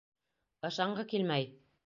Ышанғы килмәй!